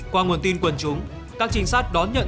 qua nguồn tin quần chúng các trinh sát đón nhận